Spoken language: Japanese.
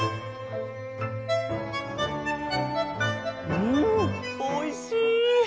うんおいしい！